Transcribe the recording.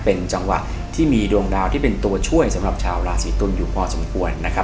เป็นจังหวะที่มีดวงดาวที่เป็นตัวช่วยสำหรับชาวราศีตุลอยู่พอสมควรนะครับ